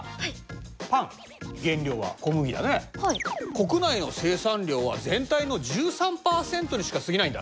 国内の生産量は全体の１３％にしかすぎないんだ。